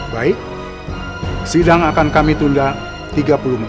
baik sidang akan kami tunda tiga puluh menit